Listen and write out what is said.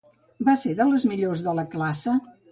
Va ser de les millors de la classe?